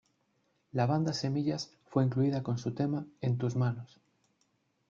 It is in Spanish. La banda Semillas fue incluida con su tema "En tus manos".